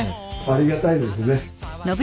ありがたいですね。